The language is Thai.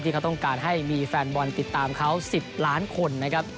ที่เขาต้องการให้มีแฟนบอลติดตามเขา๑๐ล้านคนนะครับ